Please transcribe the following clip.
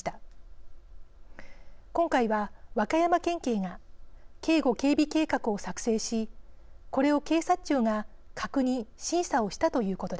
今回は和歌山県警が警護・警備計画を作成しこれを警察庁が確認審査をしたということです。